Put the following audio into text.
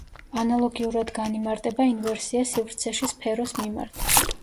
ანალოგიურად განიმარტება ინვერსია სივრცეში სფეროს მიმართ.